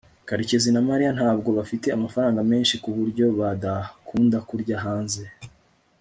karekezi na mariya ntabwo bafite amafaranga menshi kuburyo badakunda kurya hanze